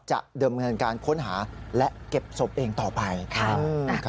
เดิมเงินการค้นหาและเก็บศพเองต่อไป